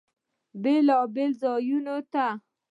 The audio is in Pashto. بیلابیلو ځایونو ته